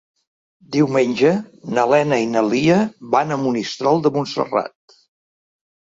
Diumenge na Lena i na Lia van a Monistrol de Montserrat.